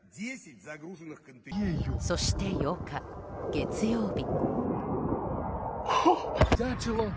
そして８日、月曜日。